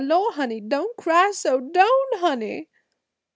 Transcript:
Lor', honey! Don' cry so, don', honey!"